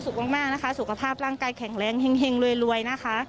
แข็งแรงแห่งรวยนะคะ